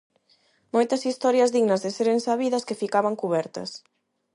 Moitas historias dignas de seren sabidas que ficaban cubertas.